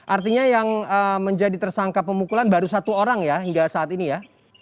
artinya yang menjadi tersangka pemukulan baru satu orang ya hingga saat ini ya